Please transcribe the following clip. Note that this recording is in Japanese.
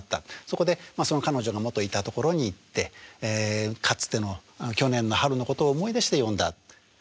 そこでその彼女がもといたところに行ってかつての去年の春のことを思い出して詠んだ。